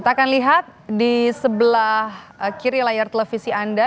kita akan lihat di sebelah kiri layar televisi anda